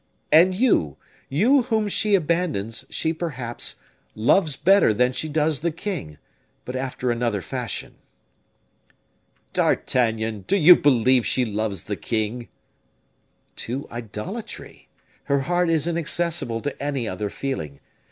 "And you, you whom she abandons, she, perhaps, loves better than she does the king, but after another fashion." "D'Artagnan, do you believe she loves the king?" "To idolatry. Her heart is inaccessible to any other feeling.